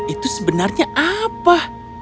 itu sebenarnya apa